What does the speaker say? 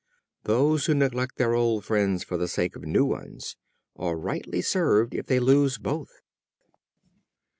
They who neglect their old friends for the sake of new ones, are rightly served if they lose both.